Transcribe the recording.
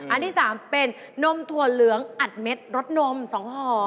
อันที่๓เป็นนมถั่วเหลืองอัดเม็ดรสนม๒ห่อ